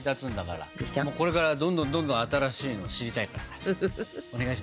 これからどんどんどんどん新しいの知りたいからさお願いします。